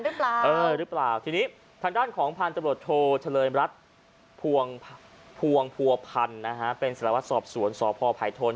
ยืนย่านโรงพักที่นี่สะอาดไม่โสกกะปลก